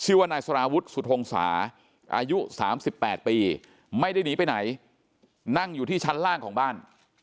ว่านายสารวุฒิสุทงศาอายุ๓๘ปีไม่ได้หนีไปไหนนั่งอยู่ที่ชั้นล่างของบ้าน